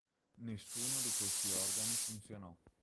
Nessuno di questi organi funzionò.